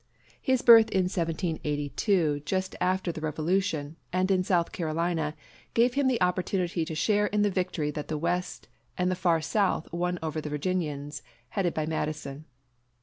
His birth in 1782 just after the Revolution, and in South Carolina, gave him the opportunity to share in the victory that the West and the far South won over the Virginians, headed by Madison.